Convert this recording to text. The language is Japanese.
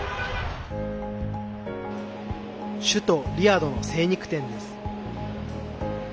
首都リヤドの精肉店です。